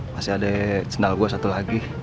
masih ada sendal gua satu lagi